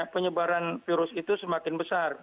penyebaran virus itu semakin besar